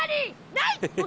ない！